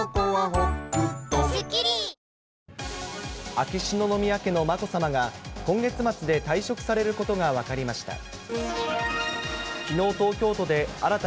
秋篠宮家のまこさまが、今月末で退職されることが分かりました。